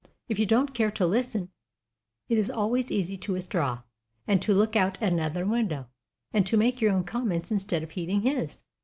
If you don't care to listen, it is always easy to withdraw, and to look out at another window, and to make your own comments instead of heeding his.